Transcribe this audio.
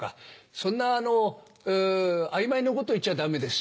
そんなあの曖昧なこと言っちゃダメです。